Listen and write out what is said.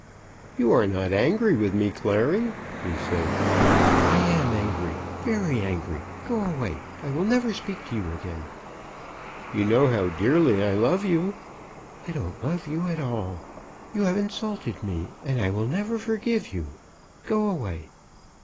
"You are not angry with me, Clary?" he said. "I am angry; very angry. Go away. I will never speak to you again." "You know how dearly I love you." "I don't love you at all. You have insulted me, and I will never forgive you. Go away."